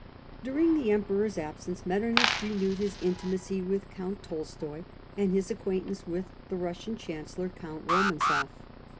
During the Emperor's absence Metternich renewed his intimacy with Count Tolstoy, and his acquaintance with the Russian Chancellor, Count RomanzofF.